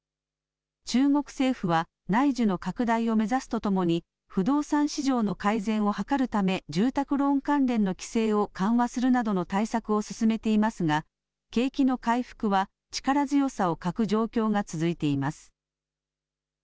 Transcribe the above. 中国政府は内需の拡大を目指すとともに不動産市場の改善を図るため住宅ローン関連の規制を緩和するなどの対策を進めていますが景気の回復は力強さを欠く状況が続いています。